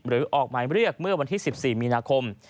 ออกหมายเรียกเมื่อวันที่๑๔มีนาคม